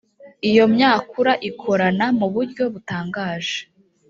iyo myakura ikorana mu buryo butangaje